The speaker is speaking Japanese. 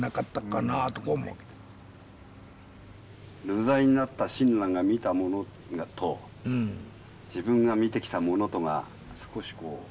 流罪になった親鸞が見たものと自分が見てきたものとが少しこう。